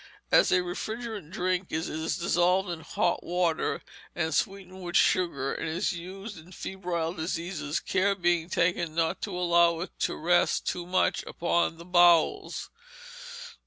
As a refrigerant drink it is dissolved in hot water, and sweetened with sugar, and is used in febrile diseases, care being taken not to allow it to rest too much upon the bowels.